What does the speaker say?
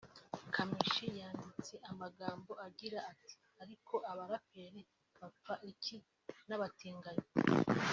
Kamichi yanditse amagambo agira ati “Ariko aba rapeurs bapfa iki n’abatinganyi